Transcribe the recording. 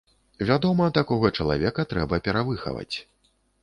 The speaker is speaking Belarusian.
Вядома, такога чалавека трэба перавыхаваць.